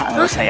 nggak usah ya